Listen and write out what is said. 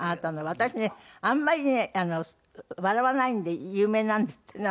私ねあんまりね笑わないので有名なんですってね。